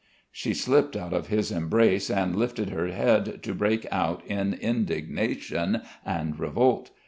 She slipped out of his embrace and lifted her head to break out in indignation and revolt.